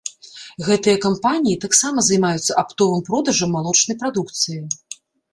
Гэтыя кампаніі таксама займаюцца аптовым продажам малочнай прадукцыі.